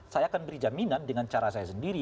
saya akan beri jaminan dengan cara saya sendiri